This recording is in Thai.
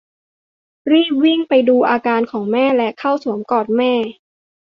รีบวิ่งไปดูอาการของแม่และเข้าสวมกอดแม่